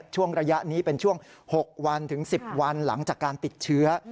ช่วงระยะนี้เป็นช่วง๖วันถึง๑๐วันหลังจากการติดเชื้อ